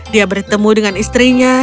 dia bertemu dengan istrinya